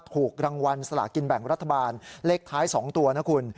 ถูกรางวัลสลากินแบ่งรัฐบาลเลขท้าย๒ตัวนะคุณ